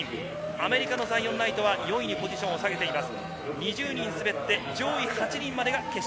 アメリカ、ザイオン・ライトは４位にポジションを下げています。